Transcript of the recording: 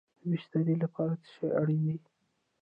د بسترې لپاره څه شی اړین دی؟